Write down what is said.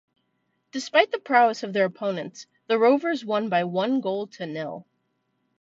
Despite the prowess of their opponents The Rovers won by one goal to nil.